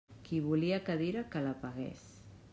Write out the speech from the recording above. Qui volia cadira, que la pagués.